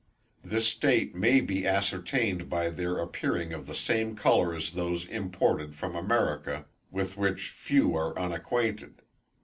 This state may be ascertained by their appearing of the same colour as those imported from America, with which few are unacquainted.